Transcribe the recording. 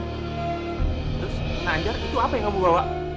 terus nah anjar itu apa yang kamu bawa